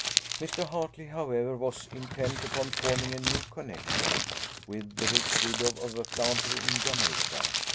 Mr. Hartley, however, was intent upon forming a new connexion with the rich widow of a planter in Jamaica.